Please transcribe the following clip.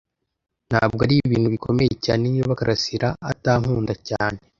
Ntabwo ari ibintu bikomeye cyane niba karasira atankunda cyane.